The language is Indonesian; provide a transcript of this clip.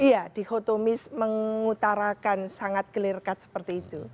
iya dikotomis mengutarakan sangat clear cut seperti itu